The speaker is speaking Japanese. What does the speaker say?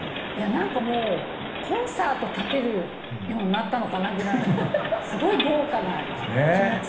何かもうコンサート立てるようになったのかなぐらいのすごい豪華な気持ちで。